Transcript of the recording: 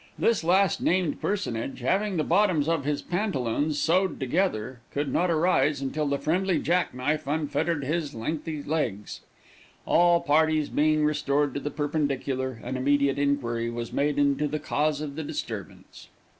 This last named personage, having the bottoms of his pantaloons sewed together, could not arise until the friendly jack knife unfettered his lengthy legs. All parties being restored to the perpendicular, an immediate inquiry was made into the cause of the disturbance.